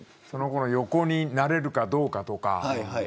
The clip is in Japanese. その子の横になれるかどうかとか。